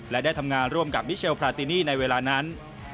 และได้ทำงานร่วมกับมิเชลพราตินี่ในเวลานั้น